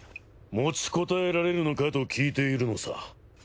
持ちこたえられるのかと聞いているのさ。